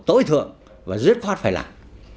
tối thượng và dứt khoát phải làm